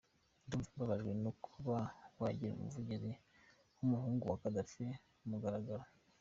Ndumva mbabajwe no kuba wigira umuvugizi w’umuhungu wa Kaddafi kumugaragaro.